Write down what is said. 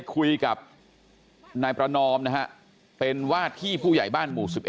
คุยกับนายประนอมนะฮะเป็นวาดที่ผู้ใหญ่บ้านหมู่๑๑